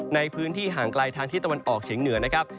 ในพื้นที่ห่างไกลทางที่ตะวันออกเฉียงเหนือนะครับ